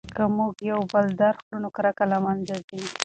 که موږ یو بل درک کړو نو کرکه له منځه ځي.